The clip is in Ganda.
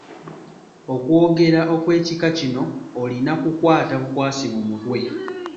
Okwogera okw'ekika kino olina kukukwata bukwasi mu mutwe.